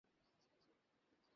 তাকে ডেকে পাঠানো হল।